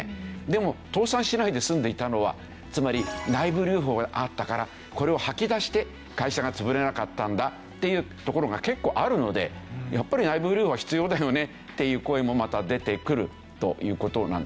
でも倒産しないで済んでいたのはつまり内部留保があったからこれを吐き出して会社が潰れなかったんだっていうところが結構あるのでやっぱり内部留保は必要だよねっていう声もまた出てくるという事なんですね。